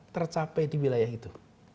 tercapai di wilayah itu